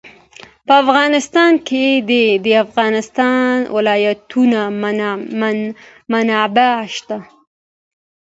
په افغانستان کې د د افغانستان ولايتونه منابع شته.